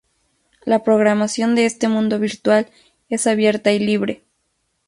La programación de este mundo virtual es abierta y libre.